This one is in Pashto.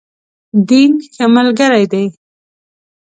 دین، ښه ملګری دی.